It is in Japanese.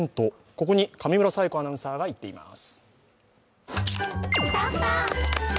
ここに上村彩子アナウンサーが行っています。